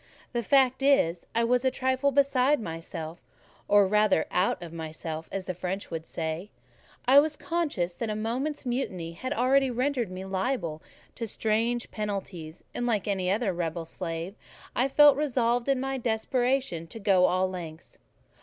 The fact is, I was a trifle beside myself; or rather out of myself, as the French would say: I was conscious that a moment's mutiny had already rendered me liable to strange penalties, and, like any other rebel slave, I felt resolved, in my desperation, to go all lengths.